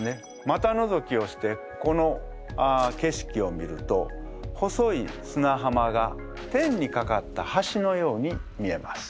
股のぞきをしてこの景色を見ると細いすなはまが天にかかった橋のように見えます。